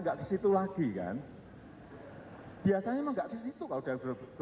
gak jadi seperti orang antaranya teman teman di vendo lyn earth juga fulham colleagues